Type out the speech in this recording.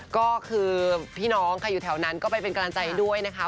ก็คือพี่น้องใครอยู่แถวนั้นก็ไปเป็นกำลังใจด้วยนะคะ